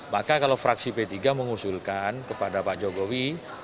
maka kalau fraksi p tiga mengusulkan kepada pak jokowi